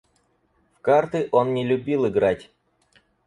В карты он не любил играть.